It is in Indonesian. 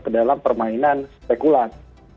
ke dalam permainan spekulat